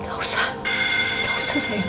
gak usah gak usah sayang